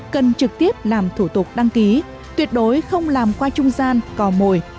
cần trực tiếp làm thủ tục đăng ký tuyệt đối không làm qua trung gian cò mồi